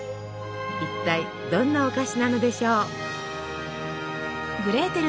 一体どんなお菓子なのでしょう。